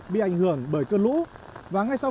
bị ảnh hưởng bởi cơn lũ và ngay sau